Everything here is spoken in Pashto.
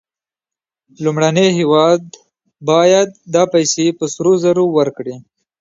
لومړنی هېواد باید دا پیسې په سرو زرو ورکړي